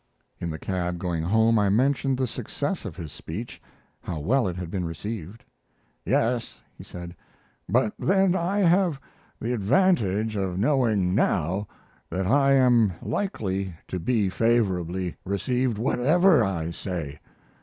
In the cab going home I mentioned the success of his speech, how well it had been received. "Yes," he said; "but then I have the advantage of knowing now that I am likely to be favorably received, whatever I say.